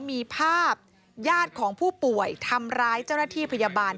มีภาพญาติของผู้ป่วยทำร้ายเจ้าหน้าที่พยาบาล